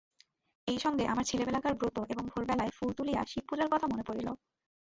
এইসঙ্গে আমার সেই ছেলেবেলাকার ব্রত এবং ভোরবেলায় ফুল তুলিয়া শিবপূজার কথা মনে পড়িল।